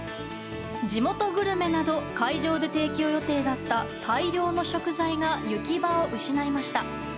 地元グルメなど会場で提供予定だった大量の食材が行き場を失いました。